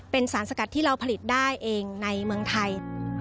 เป็นสารสกัดที่เราผลิตได้เองในเมืองไทย